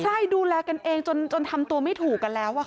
ใช่ดูแลกันเองจนทำตัวไม่ถูกกันแล้ว